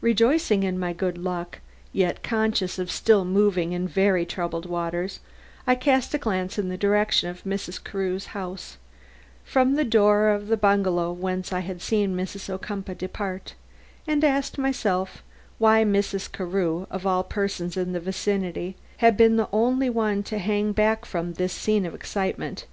Rejoicing in my good luck, yet conscious of still moving in very troubled waters, I cast a glance in the direction of Mrs. Carew's house, from the door of the bungalow whence I had seen Mrs. Ocumpaugh depart, and asked myself why Mrs. Carew, of all persons in the vicinity, had been the only one to hang back from this scene of excitement.